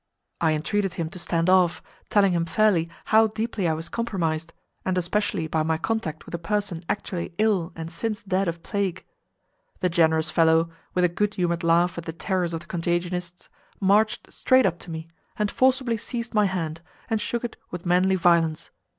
I entreated him to stand off, telling him fairly how deeply I was "compromised," and especially by my contact with a person actually ill and since dead of plague. The generous fellow, with a good humoured laugh at the terrors of the contagionists, marched straight up to me, and forcibly seized my hand, and shook it with manly violence.